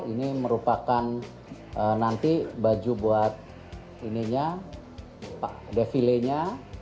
ini merupakan nanti baju buat ininya defile nya